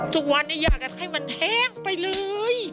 ทุกวันนี้อยากจะให้มันแห้งไปเลย